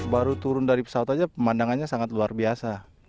baru turun dari pesawat saja pemandangannya sangat luar biasa